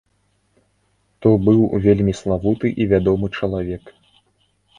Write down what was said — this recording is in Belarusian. То быў вельмі славуты і вядомы чалавек.